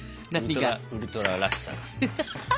ウルトラらしさが。